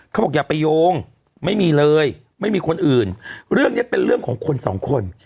อย่าไปโยงไม่มีเลยไม่มีคนอื่นเรื่องนี้เป็นเรื่องของคนสองคน